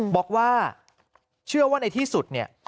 บอกว่าเชื่อว่าในที่สุดเนี่ย